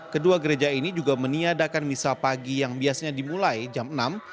kedua gereja ini juga meniadakan misa pagi yang biasanya dimulai jam enam